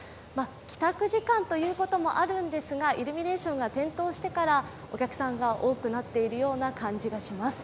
帰宅時間ということもあるんですが、イルミネーションが点灯してからお客さんが多くなっているような感じがします。